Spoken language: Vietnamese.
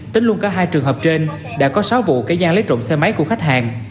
tính luôn cả hai trường hợp trên đã có sáu vụ kẻ gian lấy trộm xe máy của khách hàng